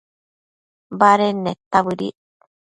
baded neta bëdic